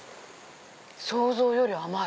想像より甘い！